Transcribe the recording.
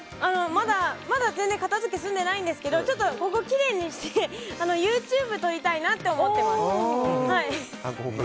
まだ全然片付け済んでないんですけどここをきれいにしてＹｏｕＴｕｂｅを撮りたいなと思っています。